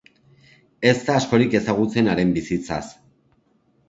Ez da askorik ezagutzen haren bizitzaz.